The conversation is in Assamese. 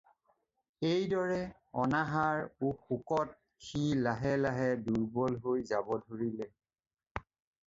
এই দৰে অনাহৰ ও শোকত সি লাহে লাহে দুৰ্বল হৈ যাব ধৰিলে